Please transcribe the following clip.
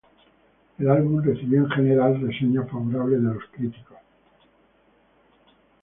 El álbum recibió en general "reseñas favorables" de los críticos.